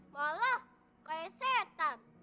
malah kayak setan